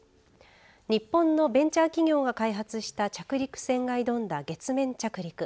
日本のベンチャー企業が開発した着陸船が挑んだ月面着陸。